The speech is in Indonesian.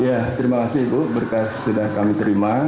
ya terima kasih ibu berkas sudah kami terima